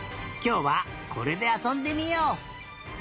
きょうはこれであそんでみよう。